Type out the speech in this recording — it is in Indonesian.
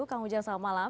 kang ujang selamat malam